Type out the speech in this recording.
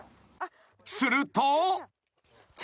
［すると］